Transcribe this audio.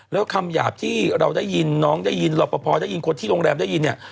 แล้วคำหยาบที่เราได้ยินน้องได้ยินรอปภได้ยินคนที่โรงแรมได้ยินเนี่ย